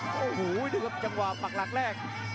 โอ้โหดูครับจังหวะปักหลักแรก